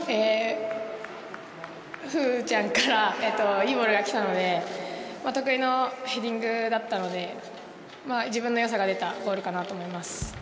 風ちゃんからいいボールが来たので、得意のヘディングだったので、自分の良さが出たゴールだと思います。